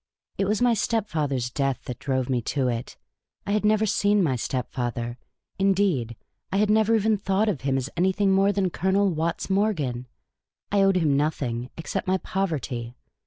It was my stepfather's death that drove me to it. I had never seen my stepfather. Indeed, I never even thought of him as anything more than Colonel Watts Morgan. I owed him nothing, except my poverty.